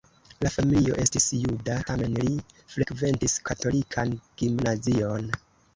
La familio estis juda, tamen li frekventis katolikan gimnazion.